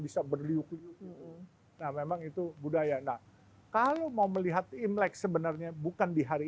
bisa berliuk liuk nah memang itu budaya nah kalau mau melihat imlek sebenarnya bukan di hari